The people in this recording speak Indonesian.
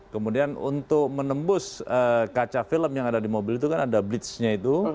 kemudian untuk menembus kaca film yang ada di mobil itu kan ada blitz nya itu